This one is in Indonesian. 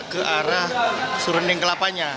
ke arah surening kelapanya